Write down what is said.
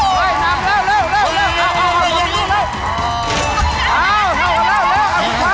เอาแล้วลดลง